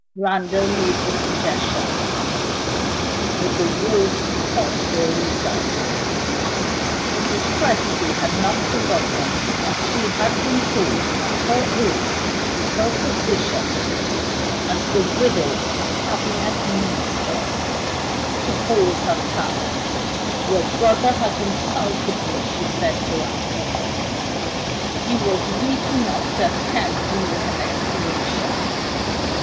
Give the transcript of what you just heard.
Randal made the suggestion with the worst possible result. Mrs. Presty had not forgotten that she had been told at her age, in her position as the widow of a Cabinet Minister to hold her tongue. "Your brother has insulted me," she said to Randal. He was weak enough to attempt to make an explanation.